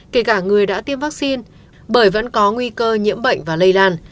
kể cả người đã tiêm vaccine bởi vẫn có nguy cơ nhiễm bệnh và lây lan